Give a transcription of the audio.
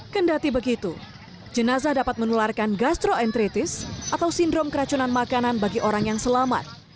kendati begitu jenazah dapat menularkan gastroentritis atau sindrom keracunan makanan bagi orang yang selamat